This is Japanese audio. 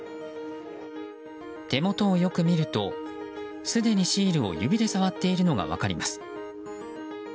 手元をよく見るとすでにシールを指で触っているのが分かります。